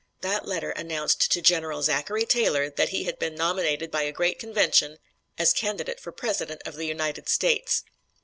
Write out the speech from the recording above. That letter announced to General Zachary Taylor that he had been nominated by a great convention as candidate for President of the United States!